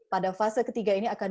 pada fase ketiga ini akan